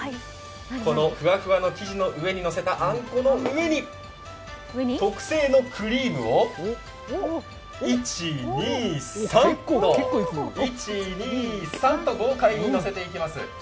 ふわふわの生地にあんこの上に特製のクリームを１・２・３と豪快にのせていきます。